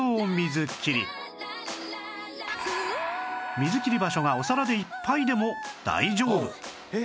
水切り場所がお皿でいっぱいでも大丈夫